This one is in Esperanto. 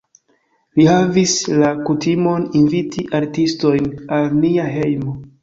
Li havis la kutimon inviti artistojn al nia hejmo.